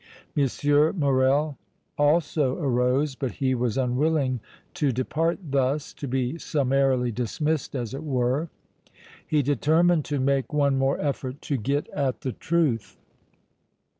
M. Morrel also arose, but he was unwilling to depart thus, to be summarily dismissed as it were. He determined to make one more effort to get at the truth.